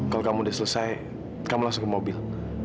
kalau kamu sudah selesai kamu langsung ke mobil